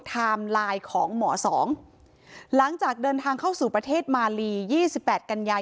ไทม์ไลน์ของหมอสองหลังจากเดินทางเข้าสู่ประเทศมาลี๒๘กันยา